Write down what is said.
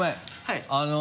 はい。